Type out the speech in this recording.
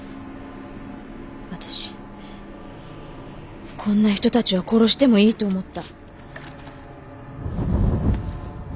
私こんな人達は殺してもいいと思った。